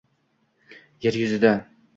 Yer yuzida